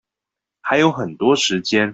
還有很多時間